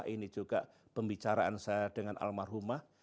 ini juga pembicaraan saya dengan almarhumah